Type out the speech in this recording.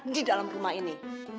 di dalam rumah ini